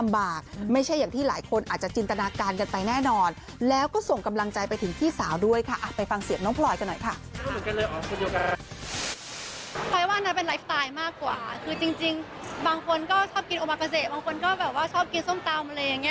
บางคนก็ชอบกินโอมากาเซบางคนก็แบบว่าชอบกินส้มตาวอะไรอย่างนี้